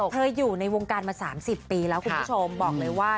เธออยู่ในวงการมา๓๐ปีแล้วคุณผู้โชคบอกเลย